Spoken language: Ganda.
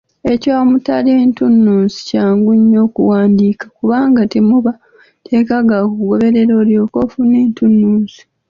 Ekyo omutali ntunnunsi kyangu nnyo okuwandiika kubanga temuba mateeka ga kugoberera olyoke ofune entunnunsi.